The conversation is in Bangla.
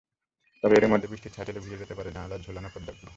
তবে এরই মধ্যে বৃষ্টির ছাট এলে ভিজে যেতে পারে জানালায় ঝোলানো পর্দাগুলো।